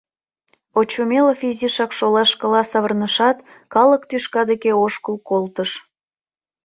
Очумелов изишак шолашкыла савырнышат, калык тӱшка деке ошкыл колтыш.